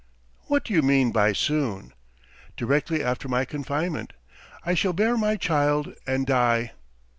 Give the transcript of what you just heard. "'What do you mean by soon?' "'Directly after my confinement. I shall bear my child and die.'